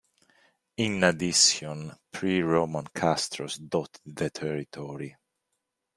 In addition, pre-Roman castros dotted the territory.